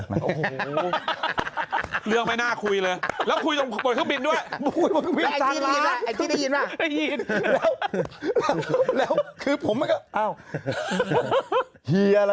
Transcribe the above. ได้ยินด้วยหรอ